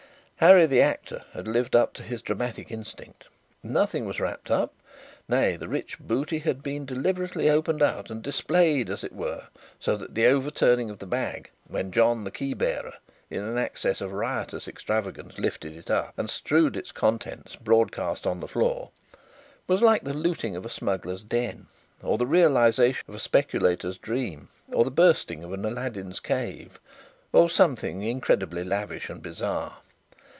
Harry the Actor had lived up to his dramatic instinct. Nothing was wrapped up; nay, the rich booty had been deliberately opened out and displayed, as it were, so that the overturning of the bag, when John the keybearer in an access of riotous extravagance lifted it up and strewed its contents broadcast on the floor, was like the looting of a smuggler's den, or the realization of a speculator's dream, or the bursting of an Aladdin's cave, or something incredibly lavish and bizarre.